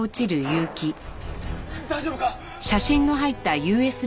大丈夫か！？